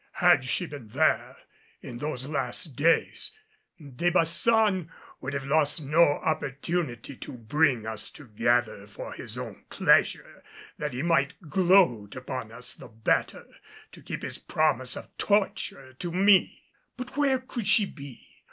Had she been there, in those last days De Baçan would have lost no opportunity to bring us together for his own pleasure, that he might gloat upon us the better and keep his promise of torture to me. But where could she be?